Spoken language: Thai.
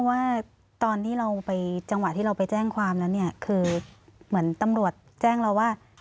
ว่าตอนที่เราไปจังหวะที่เราไปแจ้งความแล้วเนี่ยคือเหมือนตำรวจแจ้งเราว่า